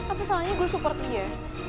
apa salahnya gue support dia